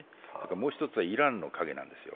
もう一つはイランの影なんですよ。